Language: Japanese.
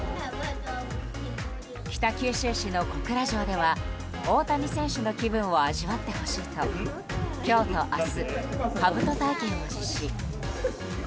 北九州市の小倉城では大谷選手の気分を味わってほしいと今日と明日、かぶと体験を実施。